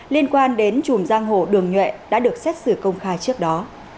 liên quan đến chùm giang hồ đường nhuệ đã được xét xử công khai trước đó